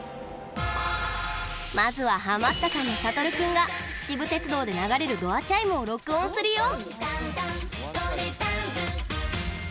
まずはハマったさんのさとる君が秩父鉄道で流れるドアチャイムを録音するよ！